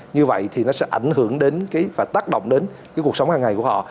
như vậy thì nó sẽ ảnh hưởng đến và tác động đến cuộc sống hàng ngày của họ